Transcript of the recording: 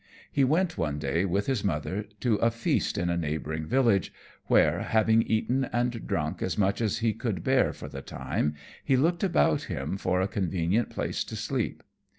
He went one day, with his mother, to a feast in a neighbouring village, where, having eaten and drunk as much as he could bear for the time, he looked about him for a convenient place to sleep.